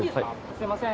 すいません